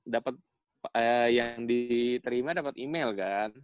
dapet ee yang diterima dapet email kan